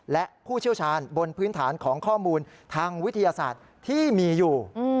และผู้เชี่ยวชาญบนพื้นฐานของข้อมูลทางวิทยาศาสตร์ที่มีอยู่